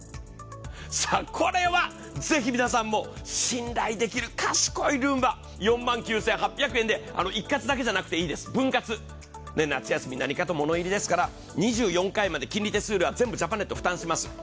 これはぜひ皆さんも信頼できる賢いルンバ、４万９８００円で一括だけじゃなくていいです、分割、夏休み何かと物入りですから２４回まで金利手数料、全部ジャパネット、負担します。